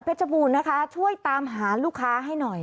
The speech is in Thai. เพชรผู้ช่วยตามหาลูกค้าให้หน่อย